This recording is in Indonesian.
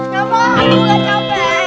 takut nama praktek